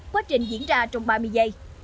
quá trình hiện ra trong ba mươi giây